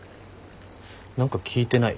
何か聞いてない？